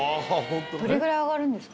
どれぐらい上がるんですか？